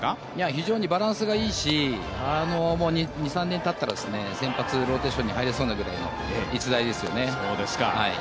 非常にバランスがいいし２３年たったらもう、先発ローテーションに入れそうな逸材ですよね。